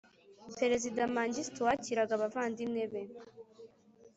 perezida mengistu wakiraga abavandimwe be